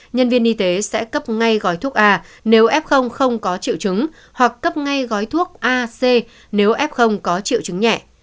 nhân viên y tế sẽ cấp ngay gói thuốc a nếu f không có triệu chứng hoặc cấp ngay gói thuốc ac nếu f có triệu chứng nhẹ